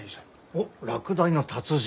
おっ落第の達人。